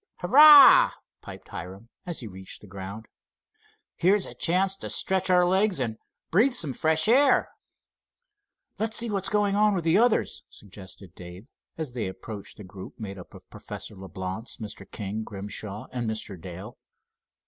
"Hurrah!" piped Hiram, as he reached the ground. "Here's a chance to stretch our legs and breathe some fresh air." "Let's see what is going on with the others," suggested Dave, and they approached the group made up of Professor Leblance, Mr. King, Grimshaw and Mr. Dale.